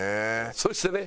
そしてね